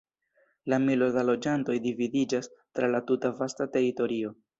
La milo da loĝantoj dividiĝas tra la tuta vasta teritorio.